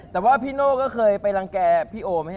แต่ว่าพี่โน่ก็เคยไปรังแก่พี่โอม